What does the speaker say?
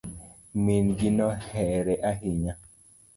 Min gi nohere ahinya